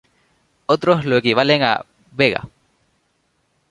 Otros lo equivalen a v"ega".